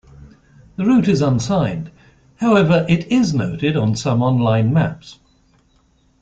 The route is unsigned; however, it is noted on some online maps.